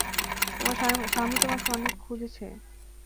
তোমার স্বামী তোমাকে অনেক খুঁজেছে।